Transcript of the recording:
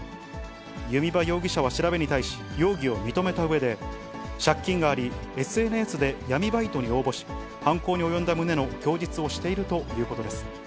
弓場容疑者は調べに対し、容疑を認めたうえで、借金があり、ＳＮＳで闇バイトに応募し、犯行に及んだ旨の供述をしているということです。